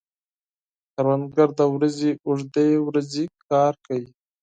کروندګر د ورځې اوږدې ورځې کار کوي